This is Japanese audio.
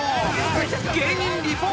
［芸人リポート大賞］